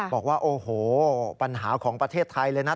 บอกว่าโอ้โหปัญหาของประเทศไทยเลยนะ